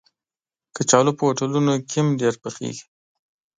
کچالو په هوټلونو کې هم ډېر پخېږي